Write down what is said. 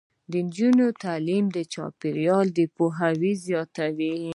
د نجونو تعلیم د چاپیریال پوهاوی زیاتوي.